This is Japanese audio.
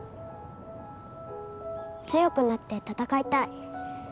強くなって戦いたい